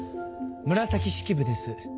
紫式部です。